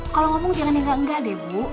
kalau ngomong jangan yang enggak enggak deh bu